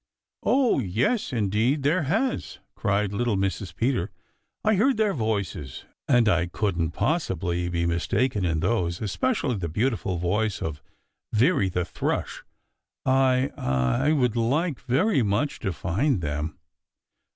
"Oh, yes, indeed there has!" cried little Mrs. Peter. "I heard their voices, and I couldn't possibly be mistaken in those, especially the beautiful voice of Veery the Thrush, I I would like very much to find them."